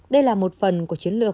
đây là một phần của chiến lược